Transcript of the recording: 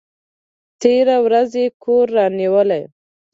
تېره ورځ یې کور رانیوی!